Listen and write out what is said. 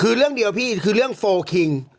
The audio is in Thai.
คือเรื่องเดียวพี่คือเรื่องโฟลคิง